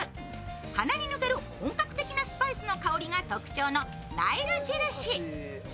鼻に抜ける本格的なスパイスの香りが特徴のナイル印。